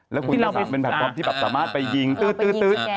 แล้วคุณพี่สามเป็นแพลตฟอร์มที่สามารถไปยิงตื๊ด